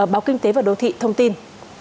báo kinh tế và đô thị thông tin